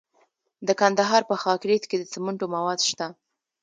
د کندهار په خاکریز کې د سمنټو مواد شته.